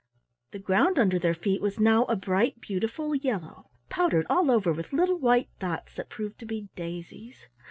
The ground under their feet was now a bright beautiful yellow, powdered all over with little white dots that proved to be daisies.